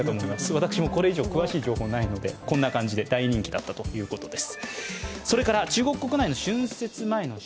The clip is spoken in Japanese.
私もこれ以上、詳しい情報がないので、こんな感じで大人気だったということです。